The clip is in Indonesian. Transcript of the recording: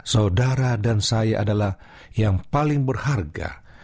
saudara dan saya adalah yang paling berharga